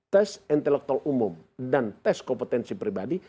tes intelektual umum dan tes kompetensi pribadi